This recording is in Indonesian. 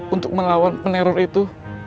untuk mengawan peneror itu